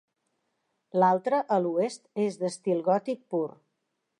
L'altre, a l'oest, és d'estil gòtic pur.